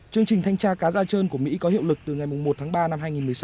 chương trình thanh tra cá gia trơn của mỹ có hiệu lực từ ngày một tháng ba năm hai nghìn một mươi sáu